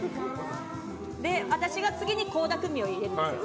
で私が次に倖田來未を入れるんですよ。